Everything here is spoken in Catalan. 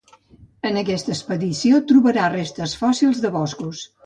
En aquesta expedició trobà restes fòssils de boscos.